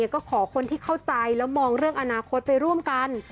ก็ขอคนที่เข้าใจแล้วมองเรื่องอนาคตไปร่วมกัน